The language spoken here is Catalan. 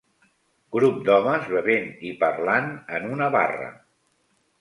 Grup d'homes bevent i parlant en una barra.